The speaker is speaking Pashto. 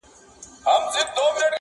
د الماسو یو غمی یې وو ورکړی.